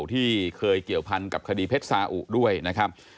ที่เคยเกี่ยวพันกับคดีเพชรสาอุด้วยนะครับ